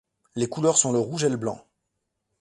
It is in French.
Les couleurs sont le rouge et le blanc.